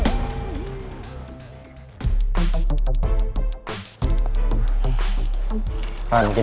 jadi kenapa ini mel dateng ke sini